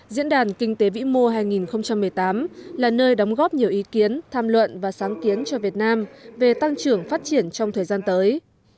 diễn đàn kinh tế vĩ mô hai nghìn một mươi tám là nơi đóng góp nhiều ý kiến tham luận và sáng kiến cho việt nam về tăng trưởng phát triển trong thời gian tới